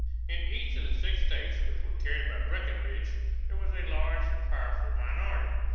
In each of the six states which were carried by Breckinridge, there was a large and powerful minority.